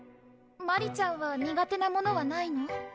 マリちゃんは苦手なものはないの？